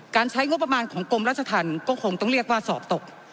ใช้งบประมาณของกรมราชธรรมก็คงต้องเรียกว่าสอบตก